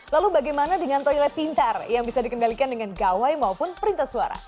lalu bagaimana dengan toilet pintar yang bisa dikendalikan dengan gawai maupun perintah suara